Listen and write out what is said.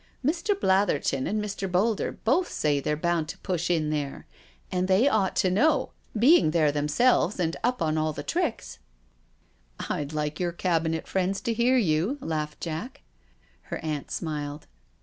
Mr. Blatherton and Mr. Boulder both say they're bound to push in there, and they ought to know, being there themselves and up to all the tricks." i62 NO SURRENDER "I'd like your Cabinet friends to hear you/' laughed Jack. Her aunt smiled.